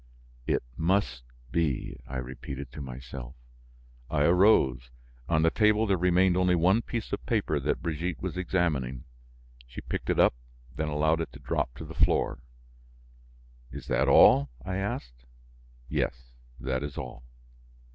"It must be," I repeated to myself. I arose. On the table, there remained only one piece of paper that Brigitte was examining. She picked it up, then allowed it to drop to the floor. "Is that all?" I asked. "Yes, that is all."